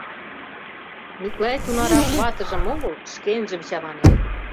Миклай тунарак ватыжым огыл, шкенжым чаманен.